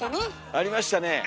ありましたね。